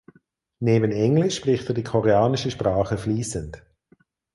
Neben Englisch spricht er die Koreanische Sprache fließend.